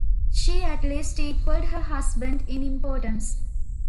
She at least equalled her husband in importance.